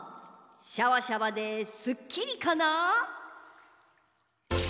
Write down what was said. シャワシャワですっきりかな？